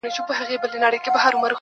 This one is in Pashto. مي تاته شعر ليكه_